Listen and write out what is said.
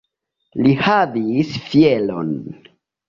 Li havis fieron!